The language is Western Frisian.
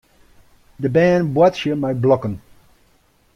De bern boartsje mei blokken.